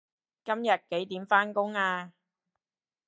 今日幾點返工啊